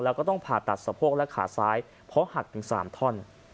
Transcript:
แล้วก็ต้องผ่าตัดสะโพกและขาซ้ายเพราะหักถึง๓ท่อน